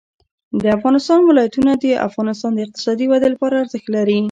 د افغانستان ولايتونه د افغانستان د اقتصادي ودې لپاره ارزښت لري.